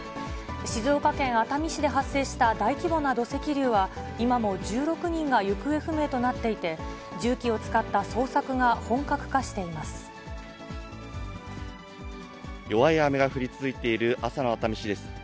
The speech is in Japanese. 静岡県熱海市で発生した大規模な土石流は、今も１６人が行方不明となっていて、重機を使った捜索が本格化し弱い雨が降り続いている朝の熱海市です。